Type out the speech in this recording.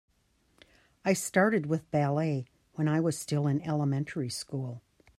I started with ballet when I was still in elementary school.